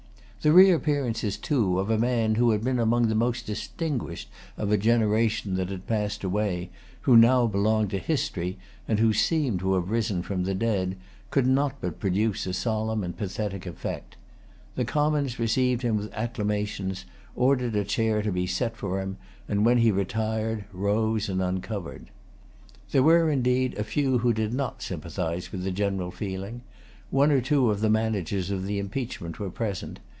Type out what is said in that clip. The reappearance, too, of a man who had been among the most distinguished of a generation that had passed away, who now belonged to history, and who seemed to have risen from the dead, could not but produce a solemn and pathetic effect. The Commons received him with acclamations, ordered a chair to be set for him, and, when he retired, rose and uncovered. There were, indeed, a few who did not sympathize with the general feeling. One or two of the managers of the impeachment were present.